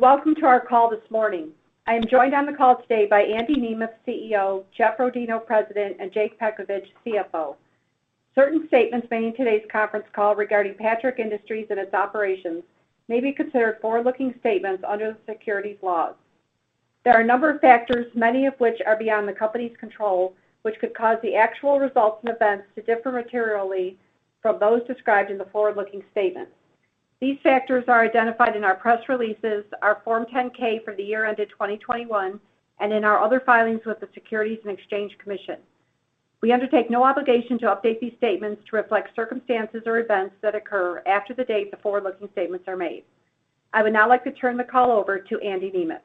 Welcome to our call this morning. I am joined on the call today by Andy Nemeth, CEO, Jeff Rodino, President, and Jake Petkovich, CFO. Certain statements made in today's conference call regarding Patrick Industries and its operations may be considered forward-looking statements under the securities laws. There are a number of factors, many of which are beyond the company's control, which could cause the actual results and events to differ materially from those described in the forward-looking statements. These factors are identified in our press releases, our Form 10-K for the year ended 2021, and in our other filings with the Securities and Exchange Commission. We undertake no obligation to update these statements to reflect circumstances or events that occur after the date the forward-looking statements are made. I would now like to turn the call over to Andy Nemeth.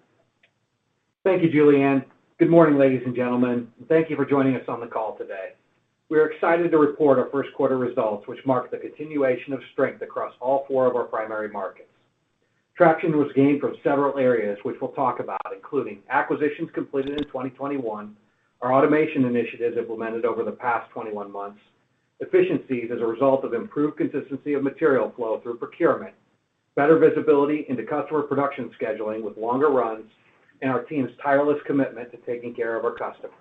Thank you, Julie Ann. Good morning, ladies and gentlemen. Thank you for joining us on the call today. We are excited to report our first quarter results, which mark the continuation of strength across all four of our primary markets. Traction was gained from several areas, which we'll talk about, including acquisitions completed in 2021, our automation initiatives implemented over the past 21 months, efficiencies as a result of improved consistency of material flow through procurement, better visibility into customer production scheduling with longer runs, and our team's tireless commitment to taking care of our customers.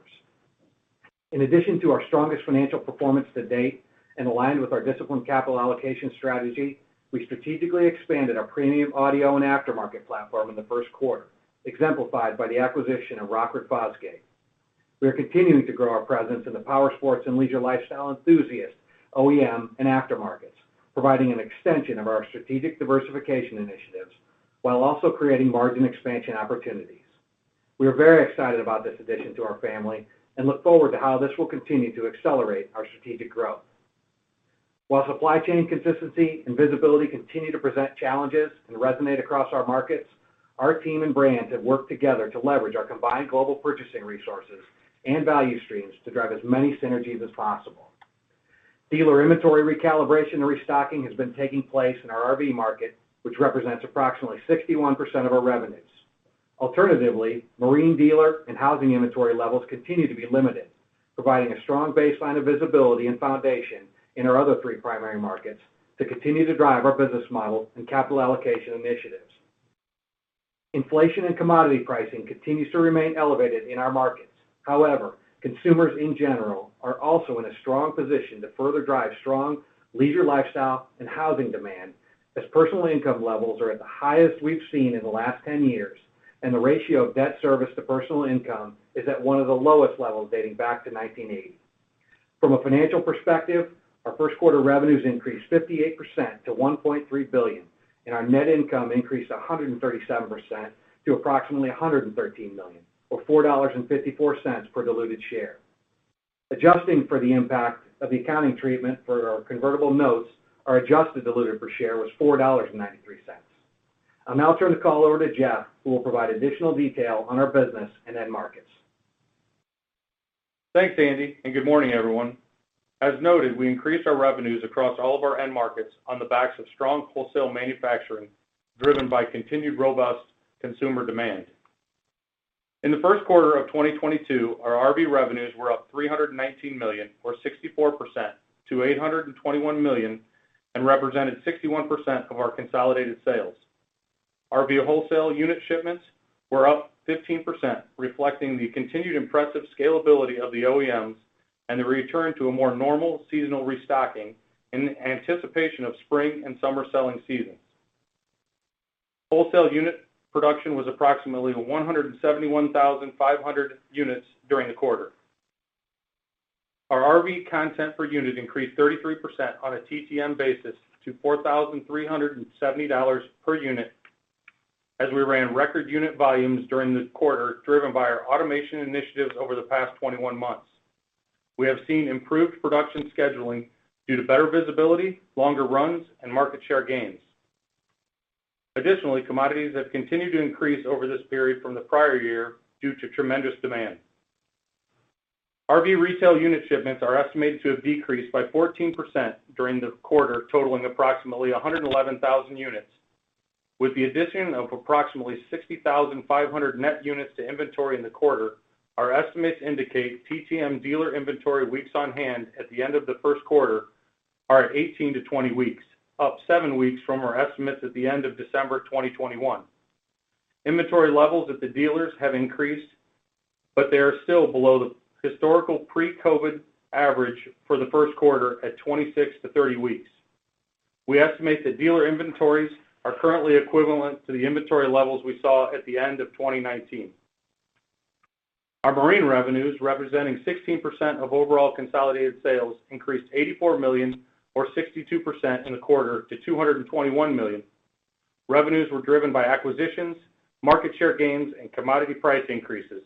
In addition to our strongest financial performance to date and aligned with our disciplined capital allocation strategy, we strategically expanded our premium audio and aftermarket platform in the first quarter, exemplified by the acquisition of Rockford Fosgate. We are continuing to grow our presence in the powersports and leisure lifestyle enthusiast, OEM, and aftermarkets, providing an extension of our strategic diversification initiatives while also creating margin expansion opportunities. We are very excited about this addition to our family and look forward to how this will continue to accelerate our strategic growth. While supply chain consistency and visibility continue to present challenges and resonate across our markets, our team and brands have worked together to leverage our combined global purchasing resources and value streams to drive as many synergies as possible. Dealer inventory recalibration and restocking has been taking place in our RV market, which represents approximately 61% of our revenues. Alternatively, marine dealer and housing inventory levels continue to be limited, providing a strong baseline of visibility and foundation in our other three primary markets to continue to drive our business model and capital allocation initiatives. Inflation and commodity pricing continues to remain elevated in our markets. However, consumers in general are also in a strong position to further drive strong leisure lifestyle and housing demand as personal income levels are at the highest we've seen in the last 10 years, and the ratio of debt service to personal income is at one of the lowest levels dating back to 1980. From a financial perspective, our first quarter revenues increased 58% to $1.3 billion, and our net income increased 137% to approximately $113 million, or $4.54 per diluted share. Adjusting for the impact of the accounting treatment for our convertible notes, our adjusted diluted per share was $4.93. I'll now turn the call over to Jeff, who will provide additional detail on our business and end markets. Thanks, Andy, and good morning, everyone. As noted, we increased our revenues across all of our end markets on the backs of strong wholesale manufacturing, driven by continued robust consumer demand. In the first quarter of 2022, our RV revenues were up $319 million or 64% to $821 million and represented 61% of our consolidated sales. RV wholesale unit shipments were up 15%, reflecting the continued impressive scalability of the OEMs and the return to a more normal seasonal restocking in anticipation of spring and summer selling seasons. Wholesale unit production was approximately 171,500 units during the quarter. Our RV content per unit increased 33% on a TTM basis to $4,370 per unit as we ran record unit volumes during this quarter, driven by our automation initiatives over the past 21 months. We have seen improved production scheduling due to better visibility, longer runs, and market share gains. Additionally, commodities have continued to increase over this period from the prior year due to tremendous demand. RV retail unit shipments are estimated to have decreased by 14% during the quarter, totaling approximately 111,000 units. With the addition of approximately 60,500 net units to inventory in the quarter, our estimates indicate TTM dealer inventory weeks on hand at the end of the first quarter are at 18-20 weeks, up 7 weeks from our estimates at the end of December 2021. Inventory levels at the dealers have increased, but they are still below the historical pre-COVID average for the first quarter at 26-30 weeks. We estimate that dealer inventories are currently equivalent to the inventory levels we saw at the end of 2019. Our marine revenues, representing 16% of overall consolidated sales, increased $84 million or 62% in the quarter to $221 million. Revenues were driven by acquisitions, market share gains, and commodity price increases.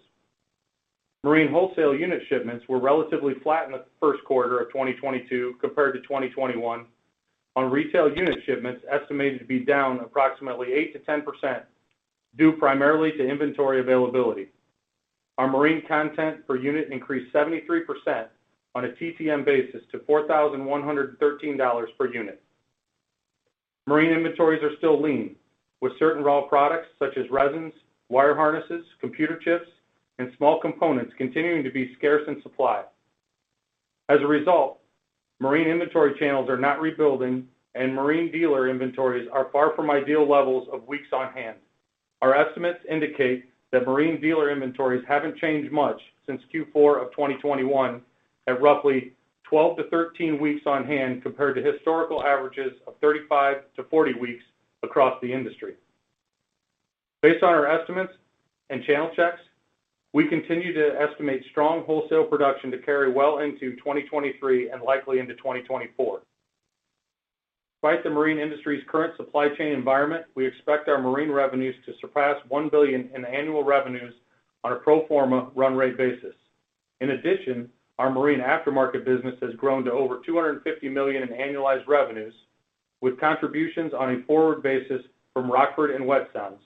Marine wholesale unit shipments were relatively flat in the first quarter of 2022 compared to 2021 on retail unit shipments estimated to be down approximately 8%-10% due primarily to inventory availability. Our marine content per unit increased 73% on a TTM basis to $4,113 per unit. Marine inventories are still lean, with certain raw products such as resins, wire harnesses, computer chips, and small components continuing to be scarce in supply. As a result, marine inventory channels are not rebuilding and marine dealer inventories are far from ideal levels of weeks on hand. Our estimates indicate that marine dealer inventories haven't changed much since Q4 of 2021 at roughly 12-13 weeks on hand compared to historical averages of 35-40 weeks across the industry. Based on our estimates and channel checks, we continue to estimate strong wholesale production to carry well into 2023 and likely into 2024. Despite the marine industry's current supply chain environment, we expect our marine revenues to surpass $1 billion in annual revenues on a pro forma run rate basis. In addition, our marine aftermarket business has grown to over $250 million in annualized revenues, with contributions on a forward basis from Rockford and Wet Sounds.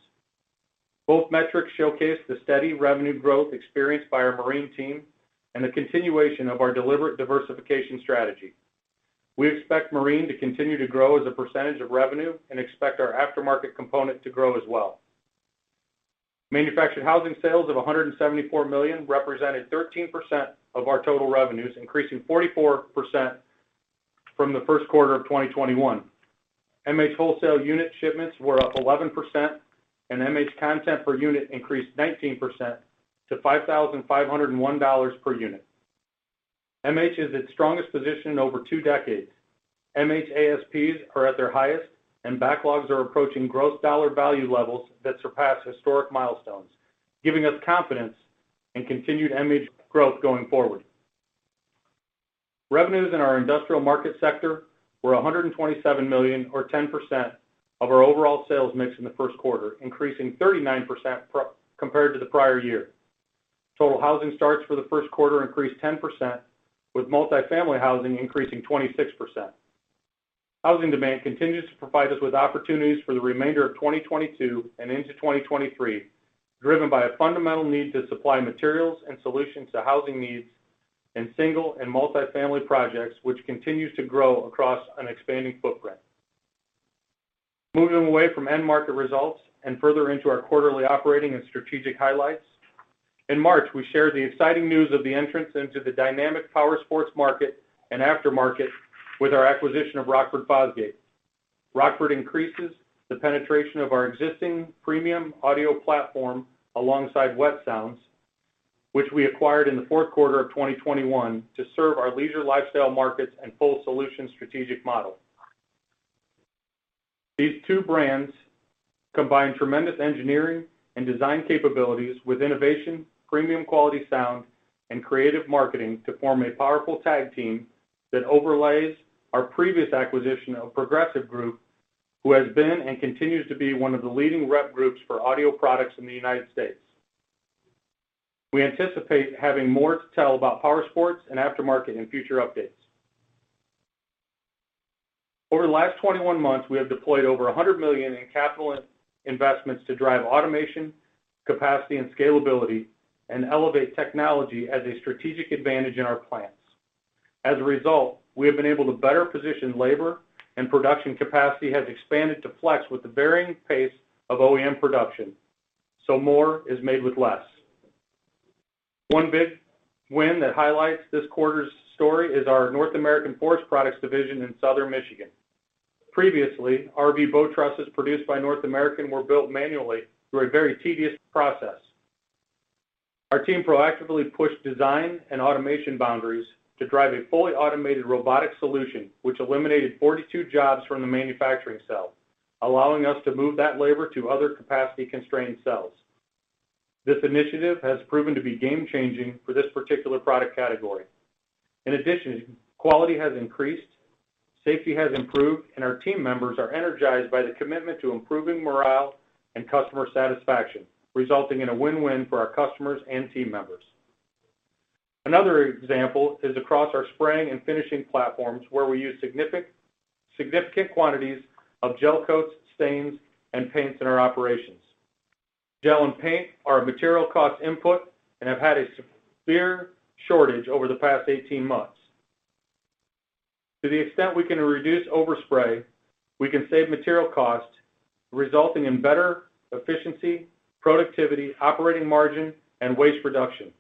Both metrics showcase the steady revenue growth experienced by our marine team and the continuation of our deliberate diversification strategy. We expect marine to continue to grow as a percentage of revenue and expect our aftermarket component to grow as well. Manufactured housing sales of $174 million represented 13% of our total revenues, increasing 44% from the first quarter of 2021. MH wholesale unit shipments were up 11% and MH content per unit increased 19% to $5,501 per unit. MH is its strongest position in over two decades. MH ASPs are at their highest and backlogs are approaching gross dollar value levels that surpass historic milestones, giving us confidence in continued MH growth going forward. Revenues in our industrial market sector were $127 million or 10% of our overall sales mix in the first quarter, increasing 39% compared to the prior year. Total housing starts for the first quarter increased 10%, with multi-family housing increasing 26%. Housing demand continues to provide us with opportunities for the remainder of 2022 and into 2023, driven by a fundamental need to supply materials and solutions to housing needs in single and multi-family projects, which continues to grow across an expanding footprint. Moving away from end market results and further into our quarterly operating and strategic highlights. In March, we shared the exciting news of the entrance into the dynamic powersports market and aftermarket with our acquisition of Rockford Fosgate. Rockford increases the penetration of our existing premium audio platform alongside Wet Sounds, which we acquired in the fourth quarter of 2021 to serve our leisure lifestyle markets and full solution strategic model. These two brands combine tremendous engineering and design capabilities with innovation, premium quality sound, and creative marketing to form a powerful tag team that overlays our previous acquisition of The Progressive Group, who has been and continues to be one of the leading rep groups for audio products in the United States. We anticipate having more to tell about powersports and aftermarket in future updates. Over the last 21 months, we have deployed over $100 million in capital investments to drive automation, capacity, and scalability and elevate technology as a strategic advantage in our plants. As a result, we have been able to better position labor, and production capacity has expanded to flex with the varying pace of OEM production. More is made with less. One big win that highlights this quarter's story is our North American Forest Products division in southern Michigan. Previously, RV boat trusses produced by North American were built manually through a very tedious process. Our team proactively pushed design and automation boundaries to drive a fully automated robotic solution, which eliminated 42 jobs from the manufacturing cell, allowing us to move that labor to other capacity-constrained cells. This initiative has proven to be game-changing for this particular product category. In addition, quality has increased, safety has improved, and our team members are energized by the commitment to improving morale and customer satisfaction, resulting in a win-win for our customers and team members. Another example is across our spraying and finishing platforms, where we use significant quantities of gel coats, stains, and paints in our operations. Gel and paint are a material cost input and have had a severe shortage over the past 18 months. To the extent we can reduce overspray, we can save material cost, resulting in better efficiency, productivity, operating margin, and waste reduction.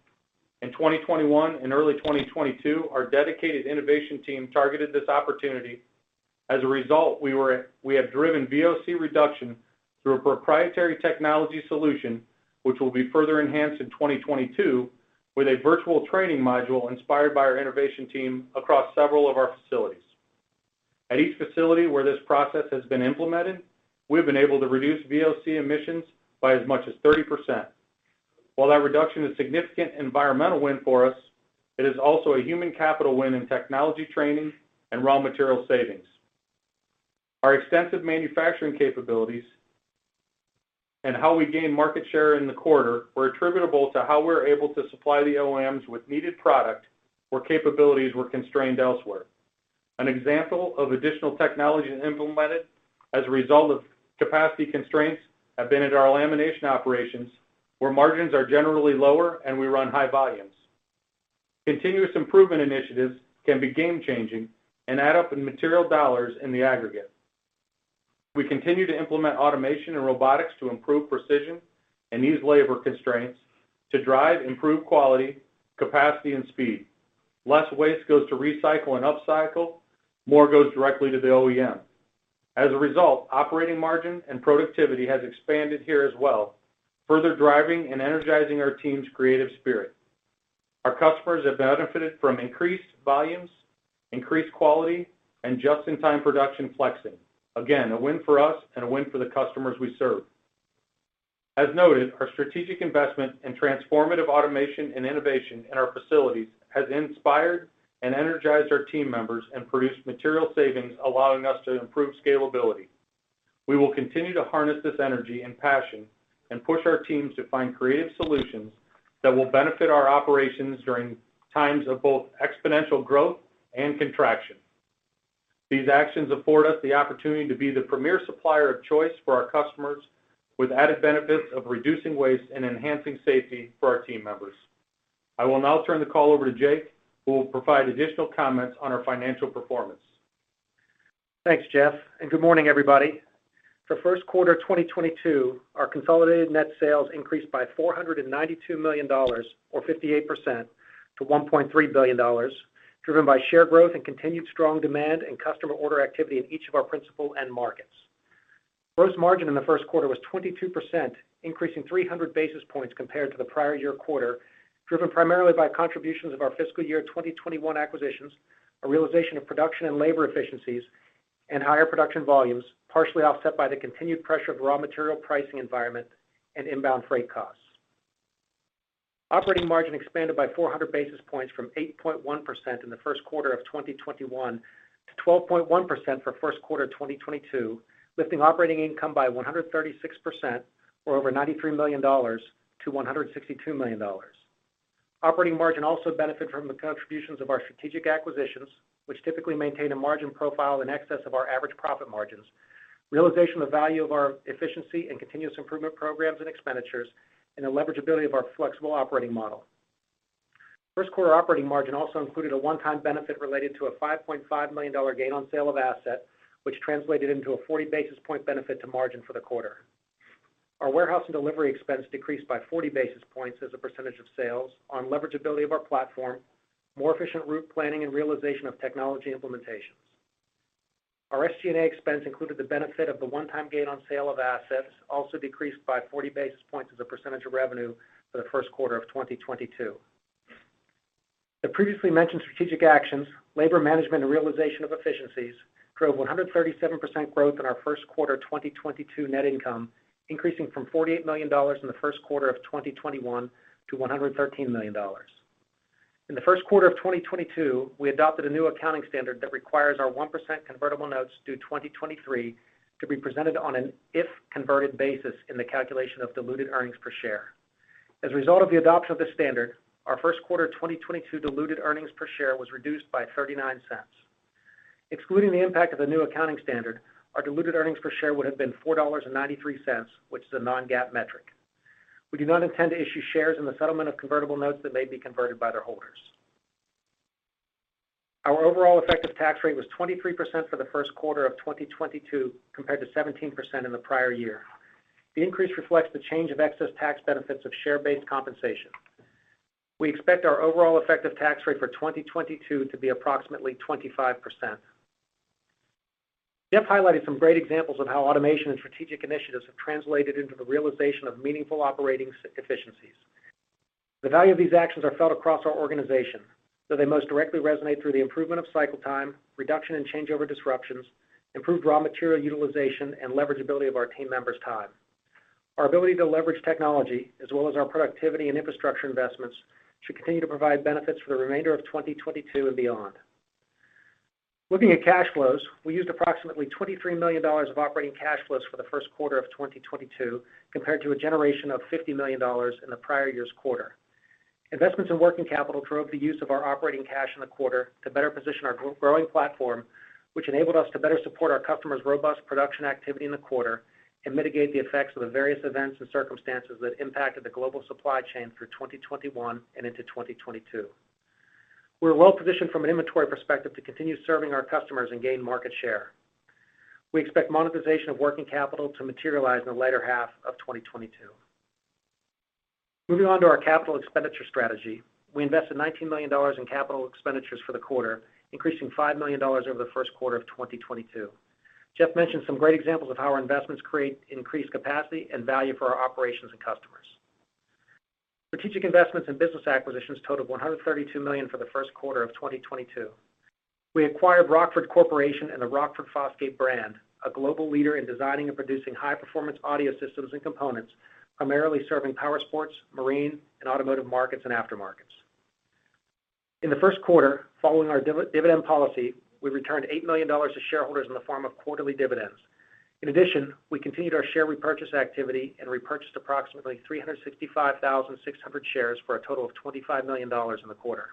In 2021 and early 2022, our dedicated innovation team targeted this opportunity. As a result, we have driven VOC reduction through a proprietary technology solution, which will be further enhanced in 2022 with a virtual training module inspired by our innovation team across several of our facilities. At each facility where this process has been implemented, we've been able to reduce VOC emissions by as much as 30%. While that reduction is a significant environmental win for us, it is also a human capital win in technology training and raw material savings. Our extensive manufacturing capabilities and how we gain market share in the quarter were attributable to how we're able to supply the OEMs with needed product where capabilities were constrained elsewhere. An example of additional technology implemented as a result of capacity constraints have been at our lamination operations, where margins are generally lower and we run high volumes. Continuous improvement initiatives can be game-changing and add up in material dollars in the aggregate. We continue to implement automation and robotics to improve precision and ease labor constraints to drive improved quality, capacity, and speed. Less waste goes to recycle and upcycle, more goes directly to the OEM. As a result, operating margin and productivity has expanded here as well, further driving and energizing our team's creative spirit. Our customers have benefited from increased volumes, increased quality, and just-in-time production flexing. Again, a win for us and a win for the customers we serve. As noted, our strategic investment in transformative automation and innovation in our facilities has inspired and energized our team members and produced material savings, allowing us to improve scalability. We will continue to harness this energy and passion and push our teams to find creative solutions that will benefit our operations during times of both exponential growth and contraction. These actions afford us the opportunity to be the premier supplier of choice for our customers, with added benefits of reducing waste and enhancing safety for our team members. I will now turn the call over to Jake, who will provide additional comments on our financial performance. Thanks, Jeff, and good morning, everybody. For first quarter 2022, our consolidated net sales increased by $492 million or 58% to $1.3 billion, driven by share growth and continued strong demand and customer order activity in each of our principal end markets. Gross margin in the first quarter was 22%, increasing 300 basis points compared to the prior year quarter, driven primarily by contributions of our fiscal year 2021 acquisitions, a realization of production and labor efficiencies, and higher production volumes, partially offset by the continued pressure of raw material pricing environment and inbound freight costs. Operating margin expanded by 400 basis points from 8.1% in the first quarter of 2021 to 12.1% for first quarter 2022, lifting operating income by 136% or over $93 million-$162 million. Operating margin also benefited from the contributions of our strategic acquisitions, which typically maintain a margin profile in excess of our average profit margins, realization of the value of our efficiency and continuous improvement programs and expenditures, and the leverageability of our flexible operating model. First quarter operating margin also included a one-time benefit related to a $5.5 million gain on sale of asset, which translated into a 40 basis point benefit to margin for the quarter. Our warehouse and delivery expense decreased by 40 basis points as a percentage of sales on leverageability of our platform, more efficient route planning, and realization of technology implementations. Our SG&A expense included the benefit of the one-time gain on sale of assets, also decreased by 40 basis points as a percentage of revenue for the first quarter of 2022. The previously mentioned strategic actions, labor management, and realization of efficiencies drove 137% growth in our first quarter 2022 net income, increasing from $48 million in the first quarter of 2021 to $113 million. In the first quarter of 2022, we adopted a new accounting standard that requires our 1% convertible notes due 2023 to be presented on an if converted basis in the calculation of diluted earnings per share. As a result of the adoption of this standard, our first quarter 2022 diluted earnings per share was reduced by $0.39. Excluding the impact of the new accounting standard, our diluted earnings per share would have been $4.93, which is a non-GAAP metric. We do not intend to issue shares in the settlement of convertible notes that may be converted by their holders. Our overall effective tax rate was 23% for the first quarter of 2022, compared to 17% in the prior year. The increase reflects the change of excess tax benefits of share-based compensation. We expect our overall effective tax rate for 2022 to be approximately 25%. Jeff highlighted some great examples of how automation and strategic initiatives have translated into the realization of meaningful operating efficiencies. The value of these actions are felt across our organization, though they most directly resonate through the improvement of cycle time, reduction in changeover disruptions, improved raw material utilization, and leverageability of our team members' time. Our ability to leverage technology, as well as our productivity and infrastructure investments, should continue to provide benefits for the remainder of 2022 and beyond. Looking at cash flows, we used approximately $23 million of operating cash flows for the first quarter of 2022, compared to a generation of $50 million in the prior year's quarter. Investments in working capital drove the use of our operating cash in the quarter to better position our growing platform, which enabled us to better support our customers' robust production activity in the quarter and mitigate the effects of the various events and circumstances that impacted the global supply chain through 2021 and into 2022. We're well-positioned from an inventory perspective to continue serving our customers and gain market share. We expect monetization of working capital to materialize in the latter half of 2022. Moving on to our capital expenditure strategy. We invested $19 million in capital expenditures for the quarter, increasing $5 million over the first quarter of 2022. Jeff mentioned some great examples of how our investments create increased capacity and value for our operations and customers. Strategic investments in business acquisitions totaled $132 million for the first quarter of 2022. We acquired Rockford Corporation and the Rockford Fosgate brand, a global leader in designing and producing high-performance audio systems and components, primarily serving powersports, marine, and automotive markets and aftermarkets. In the first quarter, following our dividend policy, we returned $8 million to shareholders in the form of quarterly dividends. In addition, we continued our share repurchase activity and repurchased approximately 365,600 shares for a total of $25 million in the quarter.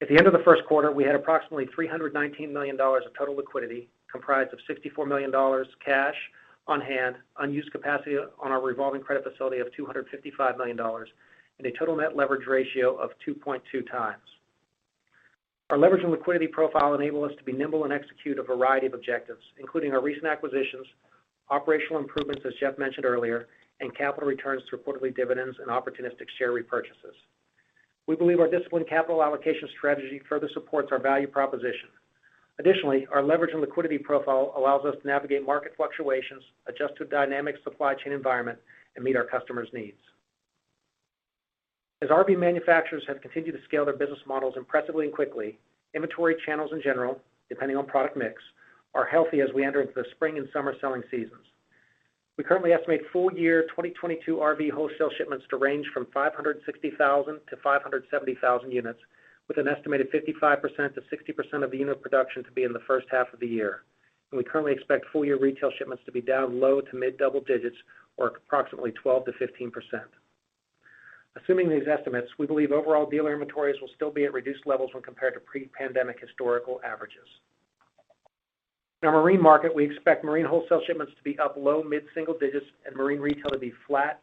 At the end of the first quarter, we had approximately $319 million of total liquidity, comprised of $64 million cash on hand, unused capacity on our revolving credit facility of $255 million, and a total net leverage ratio of 2.2x. Our leverage and liquidity profile enable us to be nimble and execute a variety of objectives, including our recent acquisitions, operational improvements, as Jeff mentioned earlier, and capital returns through quarterly dividends and opportunistic share repurchases. We believe our disciplined capital allocation strategy further supports our value proposition. Additionally, our leverage and liquidity profile allows us to navigate market fluctuations, adjust to a dynamic supply chain environment, and meet our customers' needs. As RV manufacturers have continued to scale their business models impressively and quickly, inventory channels in general, depending on product mix, are healthy as we enter into the spring and summer selling seasons. We currently estimate full-year 2022 RV wholesale shipments to range from 560,000-570,000 units, with an estimated 55%-60% of the unit production to be in the first half of the year. We currently expect full-year retail shipments to be down low to mid double digits or approximately 12%-15%. Assuming these estimates, we believe overall dealer inventories will still be at reduced levels when compared to pre-pandemic historical averages. In our marine market, we expect marine wholesale shipments to be up low- to mid-single digits and marine retail to be flat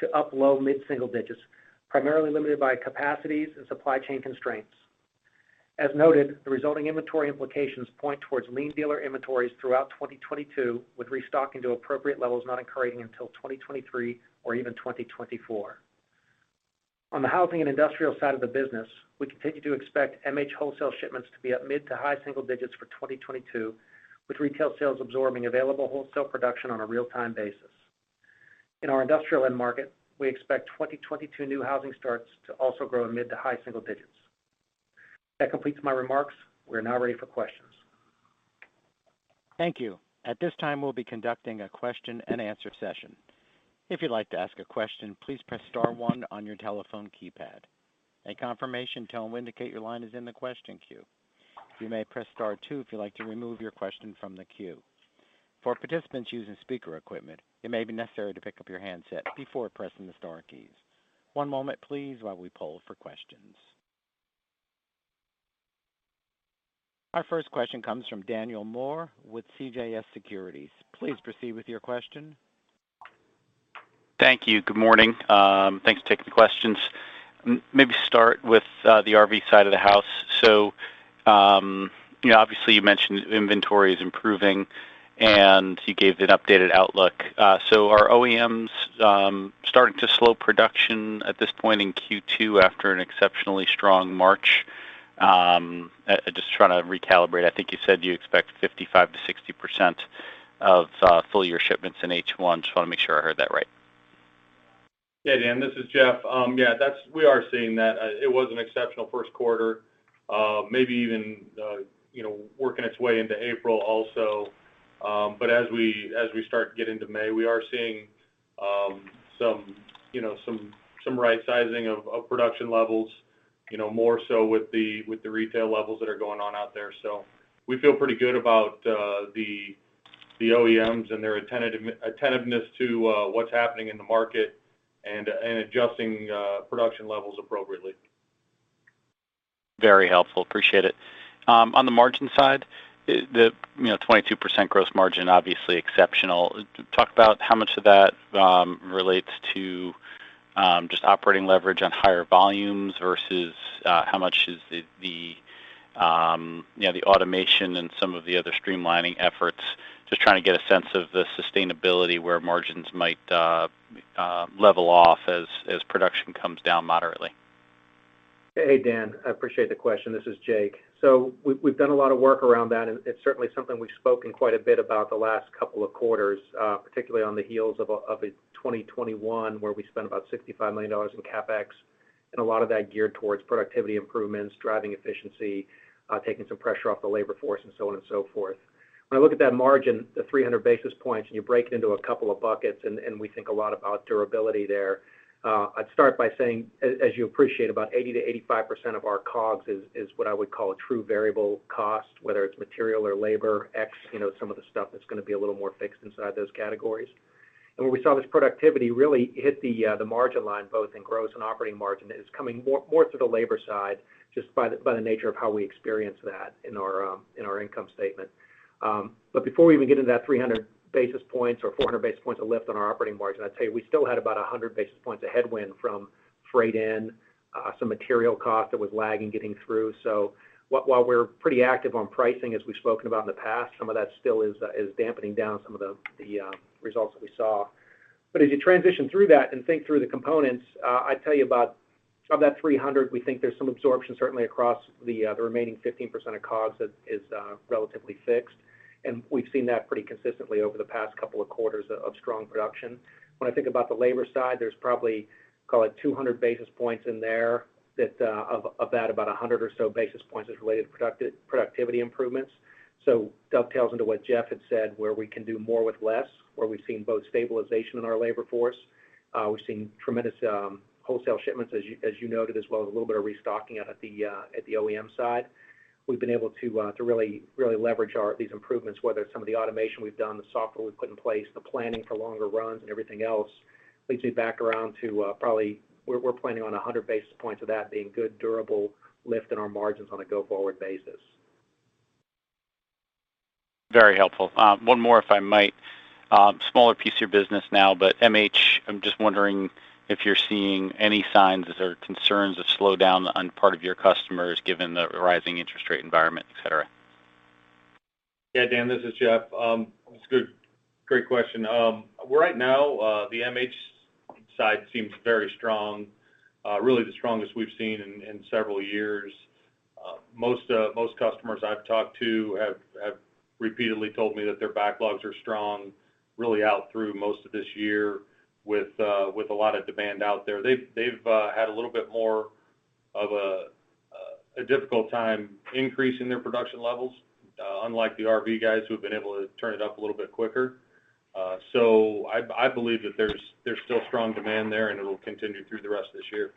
to up low- to mid-single digits, primarily limited by capacities and supply chain constraints. As noted, the resulting inventory implications point towards lean dealer inventories throughout 2022, with restocking to appropriate levels not occurring until 2023 or even 2024. On the housing and industrial side of the business, we continue to expect MH wholesale shipments to be at mid- to high-single digits for 2022, with retail sales absorbing available wholesale production on a real-time basis. In our industrial end market, we expect 2022 new housing starts to also grow in mid- to high-single digits. That completes my remarks. We are now ready for questions. Thank you. At this time, we'll be conducting a question and answer session. If you'd like to ask a question, please press star one on your telephone keypad. A confirmation tone will indicate your line is in the question queue. You may press star two if you'd like to remove your question from the queue. For participants using speaker equipment, it may be necessary to pick up your handset before pressing the star keys. One moment, please, while we poll for questions. Our first question comes from Daniel Moore with CJS Securities. Please proceed with your question. Thank you. Good morning. Thanks for taking the questions. Maybe start with the RV side of the house. You know, obviously, you mentioned inventory is improving and you gave an updated outlook. Are OEMs starting to slow production at this point in Q2 after an exceptionally strong March? Just trying to recalibrate. I think you said you expect 55%-60% of full year shipments in H1. Just want to make sure I heard that right. Yeah, Dan, this is Jeff. Yeah, that's. We are seeing that. It was an exceptional first quarter, maybe even, you know, working its way into April also. But as we start to get into May, we are seeing some, you know, right sizing of production levels, you know, more so with the retail levels that are going on out there. We feel pretty good about the OEMs and their attentiveness to what's happening in the market and adjusting production levels appropriately. Very helpful. Appreciate it. On the margin side, you know, 22% gross margin, obviously exceptional. Talk about how much of that relates to just operating leverage on higher volumes versus how much is the you know, the automation and some of the other streamlining efforts. Just trying to get a sense of the sustainability where margins might level off as production comes down moderately. Hey, Dan. I appreciate the question. This is Jake. We've done a lot of work around that, and it's certainly something we've spoken quite a bit about the last couple of quarters, particularly on the heels of a 2021, where we spent about $65 million in CapEx, and a lot of that geared towards productivity improvements, driving efficiency, taking some pressure off the labor force and so on and so forth. When I look at that margin, the 300 basis points, and you break it into a couple of buckets, and we think a lot about durability there, I'd start by saying, as you appreciate, about 80%-85% of our COGS is what I would call a true variable cost, whether it's material or labor, except, you know, some of the stuff that's gonna be a little more fixed inside those categories. When we saw this productivity really hit the margin line, both in gross and operating margin, it's coming more through the labor side just by the nature of how we experience that in our income statement. before we even get into that 300 basis points or 400 basis points of lift on our operating margin, I'd say we still had about 100 basis points of headwind from freight in, some material cost that was lagging getting through. while we're pretty active on pricing, as we've spoken about in the past, some of that still is dampening down some of the results that we saw. as you transition through that and think through the components, I'd tell you of that 300, we think there's some absorption certainly across the remaining 15% of COGS that is relatively fixed, and we've seen that pretty consistently over the past couple of quarters of strong production. When I think about the labor side, there's probably, call it 200 basis points in there that, of that about 100 or so basis points is related to productivity improvements. Dovetails into what Jeff had said, where we can do more with less, where we've seen both stabilization in our labor force, we've seen tremendous wholesale shipments as you noted, as well as a little bit of restocking at the OEM side. We've been able to really leverage our these improvements, whether it's some of the automation we've done, the software we've put in place, the planning for longer runs and everything else, leads me back around to probably we're planning on 100 basis points of that being good, durable lift in our margins on a go-forward basis. Very helpful. One more if I might. Smaller piece of your business now, but MH, I'm just wondering if you're seeing any signs or concerns of slowdown on part of your customers given the rising interest rate environment, et cetera. Yeah, Dan, this is Jeff. That's a great question. Right now, the MH side seems very strong, really the strongest we've seen in several years. Most customers I've talked to have repeatedly told me that their backlogs are strong, really out through most of this year with a lot of demand out there. They've had a little bit more of a difficult time increasing their production levels, unlike the RV guys who have been able to turn it up a little bit quicker. I believe that there's still strong demand there, and it'll continue through the rest of this year.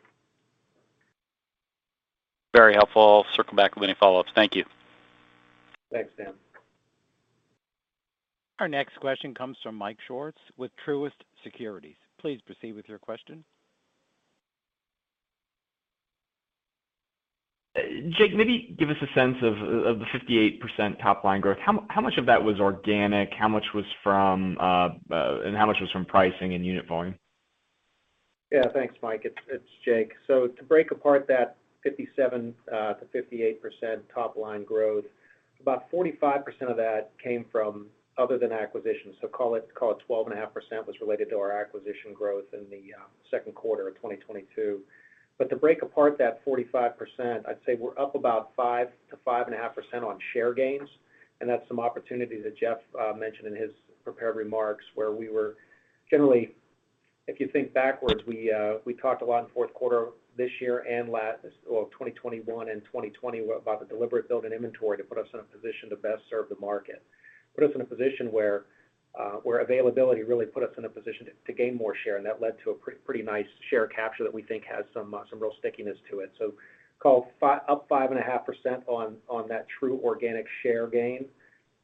Very helpful. Circle back with any follow-ups. Thank you. Thanks, Daniel. Our next question comes from Mike Swartz with Truist Securities. Please proceed with your question. Jake, maybe give us a sense of the 58% top line growth. How much of that was organic? How much was from pricing and unit volume? Yeah. Thanks, Mike. It's Jake. To break apart that 57%-58% top line growth, about 45% of that came from other than acquisitions. Call it 12.5% was related to our acquisition growth in the second quarter of 2022. To break apart that 45%, I'd say we're up about 5ndib-5.5% on share gains, and that's some opportunity that Jeff mentioned in his prepared remarks, where we were generally, if you think backwards, we talked a lot in fourth quarter this year and last, well, 2021 and 2020 about the deliberate build in inventory to put us in a position to best serve the market. Put us in a position where availability really put us in a position to gain more share, and that led to a pretty nice share capture that we think has some real stickiness to it. Call it up 5.5% on that true organic share gain.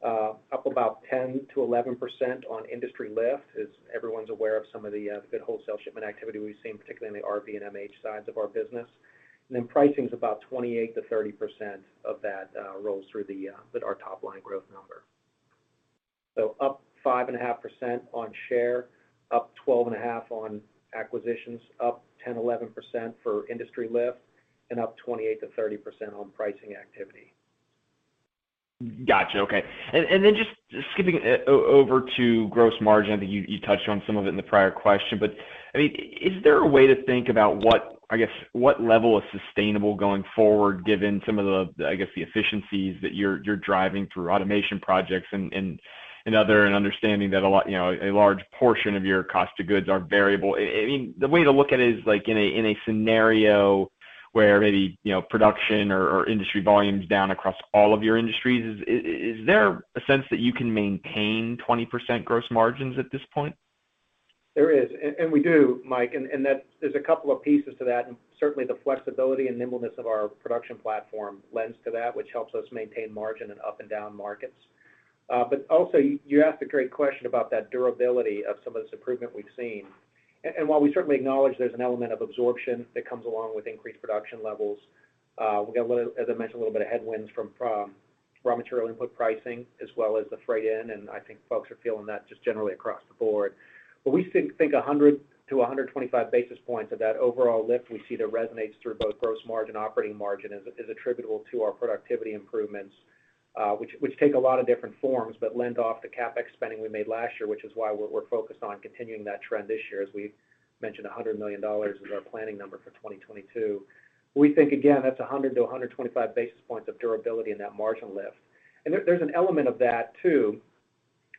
Up about 10%-11% on industry lift, as everyone's aware of some of the good wholesale shipment activity we've seen, particularly in the RV and MH sides of our business. Pricing's about 28%-30% of that rolls through with our top line growth number. Up 5.5% on share, up 12.5% on acquisitions, up 10-11% for industry lift, and up 28%-30% on pricing activity. Gotcha. Okay. Just skipping over to gross margin. I think you touched on some of it in the prior question. I mean, is there a way to think about what, I guess, what level is sustainable going forward given some of the, I guess, the efficiencies that you're driving through automation projects and other and understanding that a lot, you know, a large portion of your cost of goods are variable? I mean, the way to look at it is like in a scenario where maybe, you know, production or industry volume's down across all of your industries, is there a sense that you can maintain 20% gross margins at this point? There is. We do, Mike. There's a couple of pieces to that, and certainly the flexibility and nimbleness of our production platform lends to that, which helps us maintain margin in up and down markets. But also, you asked a great question about that durability of some of this improvement we've seen. While we certainly acknowledge there's an element of absorption that comes along with increased production levels, we've got a little, as I mentioned, a little bit of headwinds from raw material input pricing as well as the freight in, and I think folks are feeling that just generally across the board. We think 100-125 basis points of that overall lift we see that resonates through both gross margin, operating margin is attributable to our productivity improvements, which take a lot of different forms but stem from the CapEx spending we made last year, which is why we're focused on continuing that trend this year. As we've mentioned, $100 million is our planning number for 2022. We think, again, that's 100-125 basis points of durability in that margin lift. There's an element of that too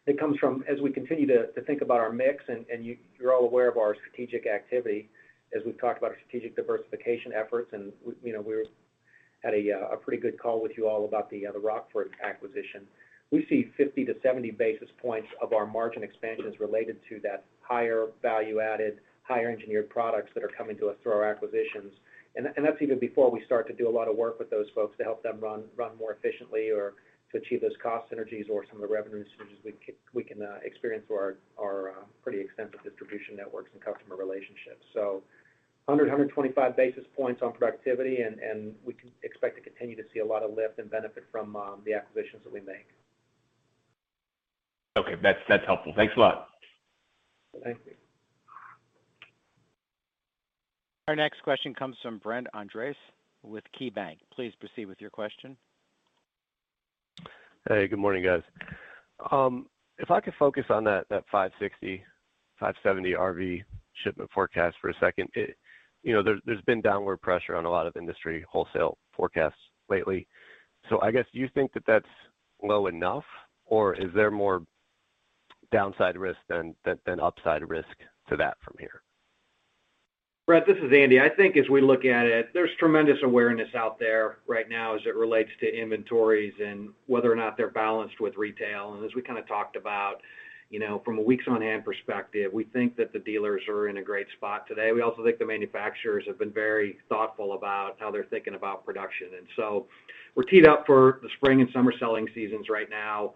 that comes from as we continue to think about our mix, and you're all aware of our strategic activity as we've talked about our strategic diversification efforts and we, you know, we had a pretty good call with you all about the Rockford acquisition. We see 50-70 basis points of our margin expansions related to that higher value-added, higher engineered products that are coming to us through our acquisitions. That's even before we start to do a lot of work with those folks to help them run more efficiently or to achieve those cost synergies or some of the revenue synergies we can experience through our pretty extensive distribution networks and customer relationships. 125 basis points on productivity and we can expect to continue to see a lot of lift and benefit from the acquisitions that we make. Okay. That's helpful. Thanks a lot. Thank you. Our next question comes from Brett Andress with KeyBanc Capital Markets. Please proceed with your question. Hey, good morning, guys. If I could focus on that 560-570 RV shipment forecast for a second. You know, there's been downward pressure on a lot of industry wholesale forecasts lately. I guess, do you think that that's low enough, or is there more downside risk than upside risk to that from here? Brett, this is Andy. I think as we look at it, there's tremendous awareness out there right now as it relates to inventories and whether or not they're balanced with retail. as we kind of talked about You know, from a weeks on hand perspective, we think that the dealers are in a great spot today. We also think the manufacturers have been very thoughtful about how they're thinking about production. We're teed up for the spring and summer selling seasons right now.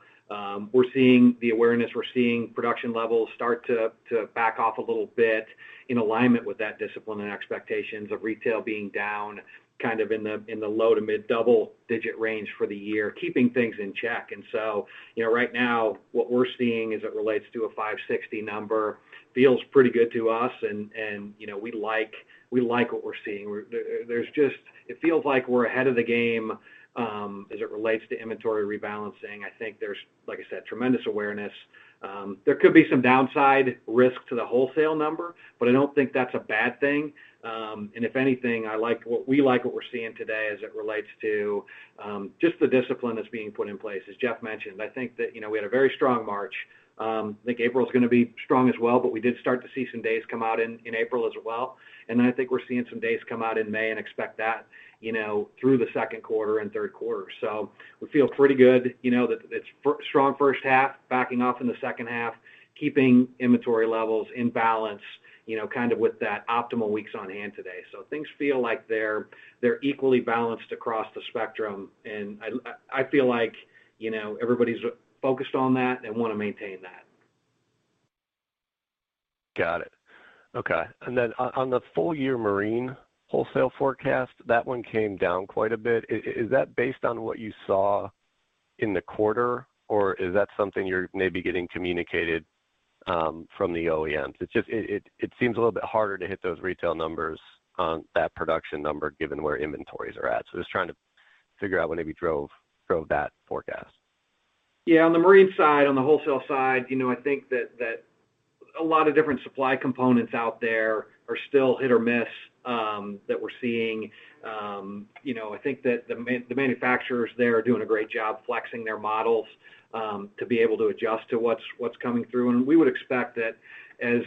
We're seeing the awareness, we're seeing production levels start to back off a little bit in alignment with that discipline and expectations of retail being down kind of in the low-to-mid double-digit range for the year, keeping things in check. You know, right now what we're seeing as it relates to a 560 number feels pretty good to us. You know, we like what we're seeing. It feels like we're ahead of the game as it relates to inventory rebalancing. I think there's, like I said, tremendous awareness. There could be some downside risk to the wholesale number, but I don't think that's a bad thing. If anything, we like what we're seeing today as it relates to just the discipline that's being put in place. As Jeff mentioned, I think that, you know, we had a very strong March. I think April's gonna be strong as well, but we did start to see some days come out in April as well. Then I think we're seeing some days come out in May and expect that, you know, through the second quarter and third quarter. We feel pretty good, you know, that it's strong first half backing off in the second half, keeping inventory levels in balance, you know, kind of with that optimal weeks on hand today. Things feel like they're equally balanced across the spectrum, and I feel like, you know, everybody's focused on that and wanna maintain that. Got it. Okay. On the full year marine wholesale forecast, that one came down quite a bit. Is that based on what you saw in the quarter, or is that something you're maybe getting communicated from the OEMs? It's just, it seems a little bit harder to hit those retail numbers on that production number given where inventories are at. Just trying to figure out what maybe drove that forecast. Yeah. On the marine side, on the wholesale side, you know, I think that a lot of different supply components out there are still hit or miss, that we're seeing. You know, I think that the manufacturers there are doing a great job flexing their models, to be able to adjust to what's coming through. We would expect that as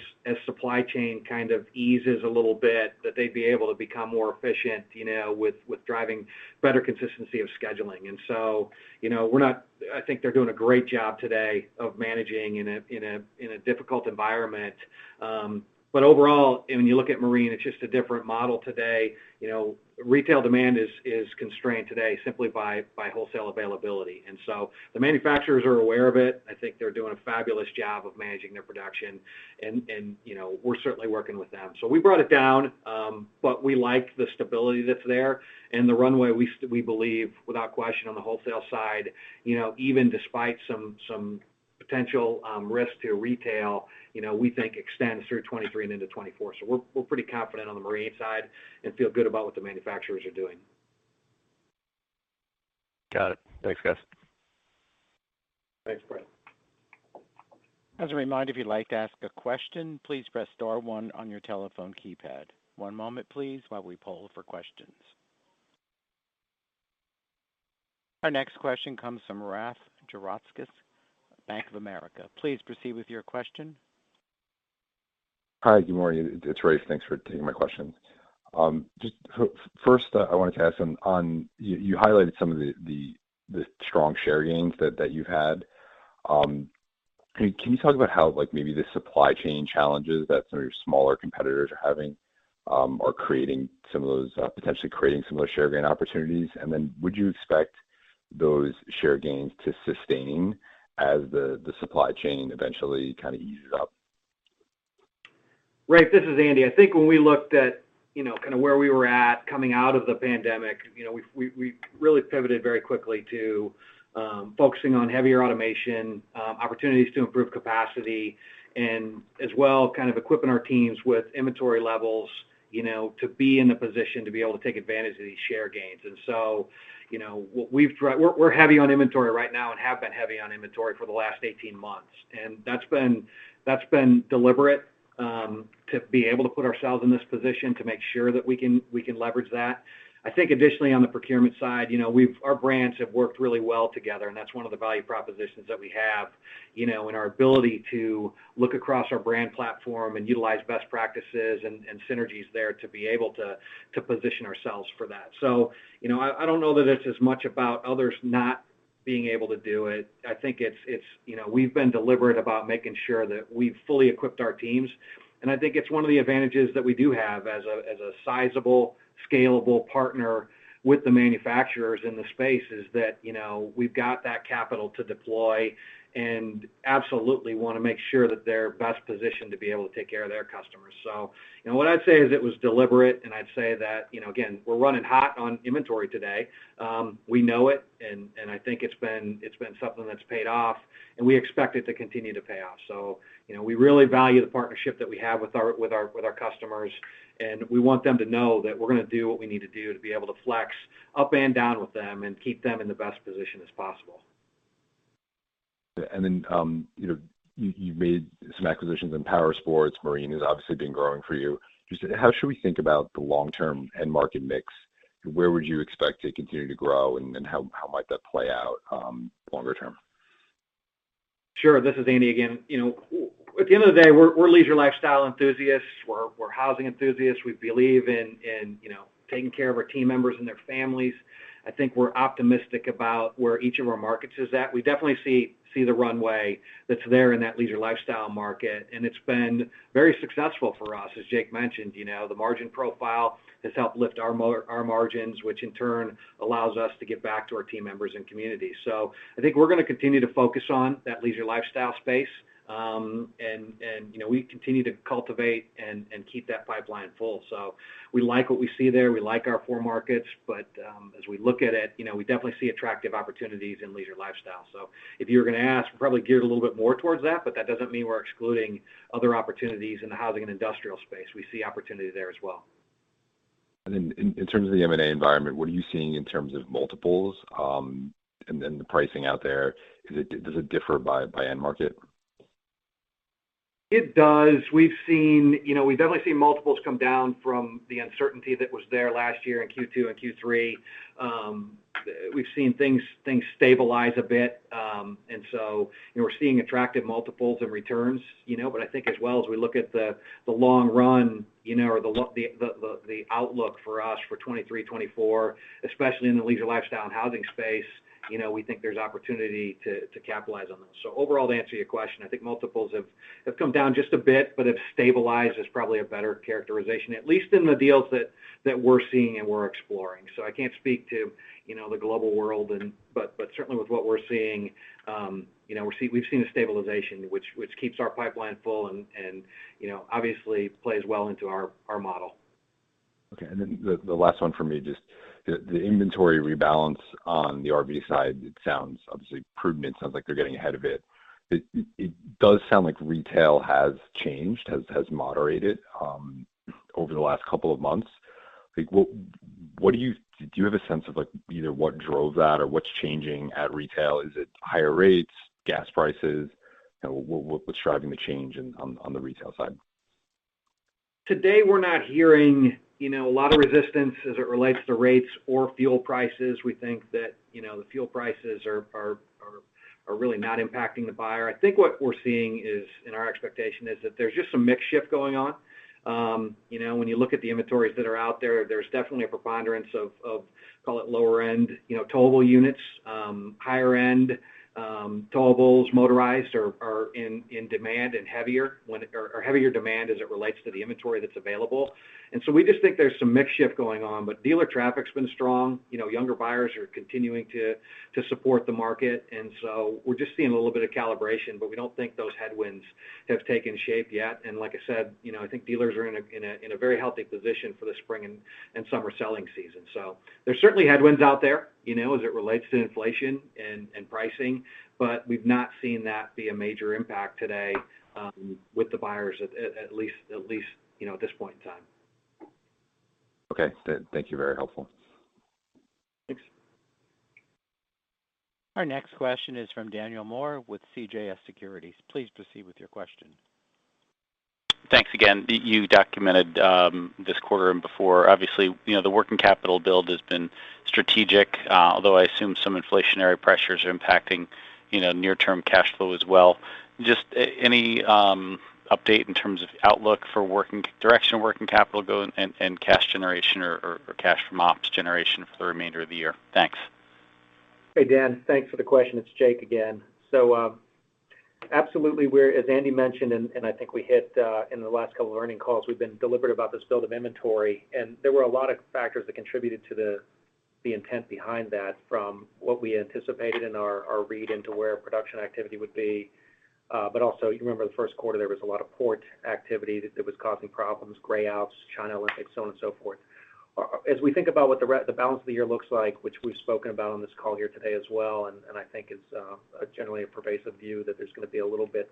supply chain kind of eases a little bit, that they'd be able to become more efficient, you know, with driving better consistency of scheduling. You know, I think they're doing a great job today of managing in a difficult environment. Overall, when you look at marine, it's just a different model today. You know, retail demand is constrained today simply by wholesale availability. The manufacturers are aware of it. I think they're doing a fabulous job of managing their production and, you know, we're certainly working with them. We brought it down, but we like the stability that's there and the runway. We believe without question on the wholesale side, you know, even despite some potential risk to retail, you know, we think extends through 2023 and into 2024. We're pretty confident on the marine side and feel good about what the manufacturers are doing. Got it. Thanks, guys. Thanks, Brett. As a reminder, if you'd like to ask a question, please press star one on your telephone keypad. One moment, please, while we poll for questions. Our next question comes from Rafe Jadrosich, Bank of America. Please proceed with your question. Hi, good morning. It's Rafe. Thanks for taking my questions. Just first, I wanted to ask. You highlighted some of the strong share gains that you've had. Can you talk about how, like, maybe the supply chain challenges that some of your smaller competitors are having are potentially creating some of those share gain opportunities? Would you expect those share gains to sustain as the supply chain eventually kind of eases up? Rafe, this is Andy. I think when we looked at, you know, kind of where we were at coming out of the pandemic, you know, we really pivoted very quickly to focusing on heavier automation opportunities to improve capacity and as well, kind of equipping our teams with inventory levels, you know, to be in the position to be able to take advantage of these share gains. You know, we're heavy on inventory right now and have been heavy on inventory for the last 18 months, and that's been deliberate to be able to put ourselves in this position to make sure that we can leverage that. I think additionally on the procurement side, you know, we've our brands have worked really well together, and that's one of the value propositions that we have, you know, in our ability to look across our brand platform and utilize best practices and synergies there to be able to position ourselves for that. You know, I don't know that it's as much about others not being able to do it. I think it's, you know, we've been deliberate about making sure that we've fully equipped our teams, and I think it's one of the advantages that we do have as a sizable, scalable partner with the manufacturers in the space is that, you know, we've got that capital to deploy and absolutely wanna make sure that they're best positioned to be able to take care of their customers. You know, what I'd say is it was deliberate, and I'd say that, you know, again, we're running hot on inventory today. We know it and I think it's been something that's paid off, and we expect it to continue to pay off. You know, we really value the partnership that we have with our customers, and we want them to know that we're gonna do what we need to do to be able to flex up and down with them and keep them in the best position as possible. you know, you made some acquisitions in powersports. Marine has obviously been growing for you. Just how should we think about the long-term end market mix? Where would you expect to continue to grow, and then how might that play out longer term? Sure. This is Andy again. You know, at the end of the day, we're leisure lifestyle enthusiasts. We're housing enthusiasts. We believe in you know, taking care of our team members and their families. I think we're optimistic about where each of our markets is at. We definitely see the runway that's there in that leisure lifestyle market, and it's been very successful for us. As Jake mentioned, you know, the margin profile has helped lift our margins, which in turn allows us to give back to our team members and communities. I think we're gonna continue to focus on that leisure lifestyle space, and you know, we continue to cultivate and keep that pipeline full. We like what we see there. We like our four markets, but, as we look at it, you know, we definitely see attractive opportunities in leisure lifestyle. If you were gonna ask, we're probably geared a little bit more towards that, but that doesn't mean we're excluding other opportunities in the housing and industrial space. We see opportunity there as well. In terms of the M&A environment, what are you seeing in terms of multiples, and then the pricing out there? Does it differ by end market? It does. We've seen you know, we've definitely seen multiples come down from the uncertainty that was there last year in Q2 and Q3. We've seen things stabilize a bit. You know, we're seeing attractive multiples and returns, you know, but I think as well as we look at the long run, you know, or the outlook for us for 2023, 2024, especially in the leisure lifestyle and housing space, you know, we think there's opportunity to capitalize on those. Overall, to answer your question, I think multiples have come down just a bit, but have stabilized is probably a better characterization, at least in the deals that we're seeing and we're exploring. I can't speak to, you know, the global world but certainly with what we're seeing, you know, we've seen a stabilization which keeps our pipeline full and, you know, obviously plays well into our model. Okay. The last one for me, just the inventory rebalance on the RV side, it sounds obviously prudent. It sounds like they're getting ahead of it. It does sound like retail has changed, has moderated over the last couple of months. Like, do you have a sense of like either what drove that or what's changing at retail? Is it higher rates, gas prices? You know, what's driving the change on the retail side? Today we're not hearing, you know, a lot of resistance as it relates to rates or fuel prices. We think that, you know, the fuel prices are really not impacting the buyer. I think what we're seeing is, and our expectation is that there's just some mix shift going on. You know, when you look at the inventories that are out there's definitely a preponderance of call it lower end, you know, towable units. Higher end towables, motorized are in demand and heavier demand as it relates to the inventory that's available. We just think there's some mix shift going on, but dealer traffic's been strong. You know, younger buyers are continuing to support the market, and so we're just seeing a little bit of calibration, but we don't think those headwinds have taken shape yet. Like I said, you know, I think dealers are in a very healthy position for the spring and summer selling season. There's certainly headwinds out there, you know, as it relates to inflation and pricing, but we've not seen that be a major impact today with the buyers at least, you know, at this point in time. Okay. Thank you. Very helpful. Thanks. Our next question is from Daniel Moore with CJS Securities. Please proceed with your question. Thanks again. You documented this quarter and before, obviously, you know, the working capital build has been strategic, although I assume some inflationary pressures are impacting, you know, near-term cash flow as well. Just any update in terms of outlook for direction of working capital go and cash generation or cash from ops generation for the remainder of the year? Thanks. Hey, Dan. Thanks for the question. It's Jake again. Absolutely we're as Daniel Moore with CJS Securities Andy mentioned, and I think we hit in the last couple of earnings calls, we've been deliberate about this build of inventory and there were a lot of factors that contributed to the intent behind that from what we anticipated and our read into where production activity would be. But also you remember the first quarter, there was a lot of port activity that was causing problems, gray outs, China Olympics, so on and so forth. As we think about what the balance of the year looks like, which we've spoken about on this call here today as well, and I think is generally a pervasive view that there's gonna be a little bit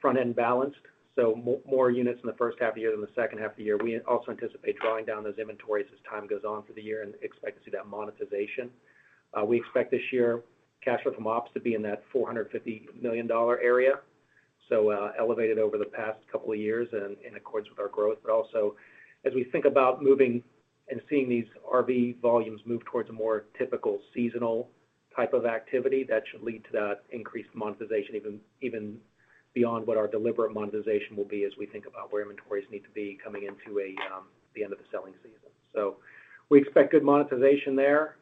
front-end loaded, so more units in the first half of the year than the second half of the year. We also anticipate drawing down those inventories as time goes on for the year and expect to see that monetization. We expect this year cash flow from ops to be in that $450 million area, elevated over the past couple of years and in accordance with our growth. Also as we think about moving and seeing these RV volumes move towards a more typical seasonal type of activity, that should lead to that increased monetization even beyond what our deliberate monetization will be as we think about where inventories need to be coming into a, the end of the selling season. We expect good monetization there.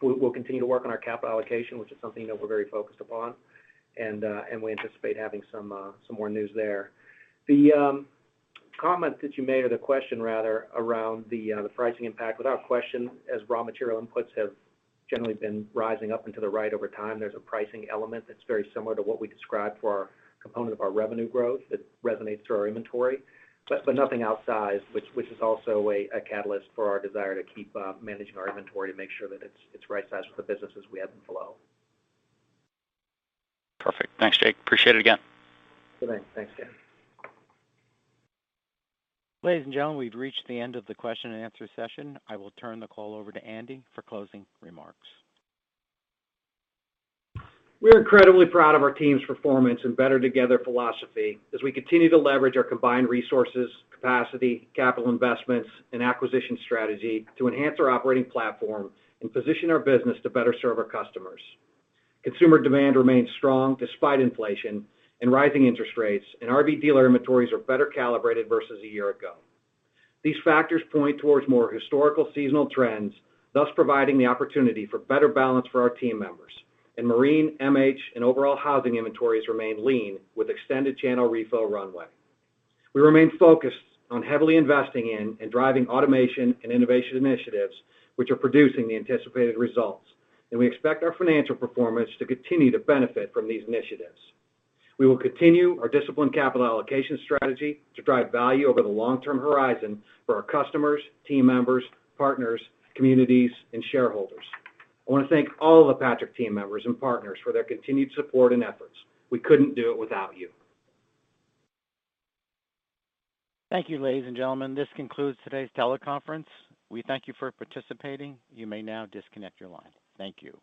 We'll continue to work on our capital allocation, which is something that we're very focused upon. We anticipate having some more news there. The comment that you made or the question rather around the pricing impact, without question, as raw material inputs have generally been rising up and to the right over time, there's a pricing element that's very similar to what we described for our component of our revenue growth that resonates through our inventory. nothing outsized, which is also a catalyst for our desire to keep managing our inventory to make sure that it's right-sized for the business as we ebb and flow. Perfect. Thanks, Jake. Appreciate it again. Good night. Thanks, Dan. Ladies and gentlemen, we've reached the end of the question and answer session. I will turn the call over to Andy for closing remarks. We're incredibly proud of our team's performance and Better Together philosophy as we continue to leverage our combined resources, capacity, capital investments, and acquisition strategy to enhance our operating platform and position our business to better serve our customers. Consumer demand remains strong despite inflation and rising interest rates, and RV dealer inventories are better calibrated versus a year ago. These factors point towards more historical seasonal trends, thus providing the opportunity for better balance for our team members. Marine, MH, and overall housing inventories remain lean with extended channel refill runway. We remain focused on heavily investing in and driving automation and innovation initiatives, which are producing the anticipated results, and we expect our financial performance to continue to benefit from these initiatives. We will continue our disciplined capital allocation strategy to drive value over the long-term horizon for our customers, team members, partners, communities, and shareholders. I want to thank all the Patrick team members and partners for their continued support and efforts. We couldn't do it without you. Thank you, ladies and gentlemen. This concludes today's teleconference. We thank you for participating. You may now disconnect your line. Thank you.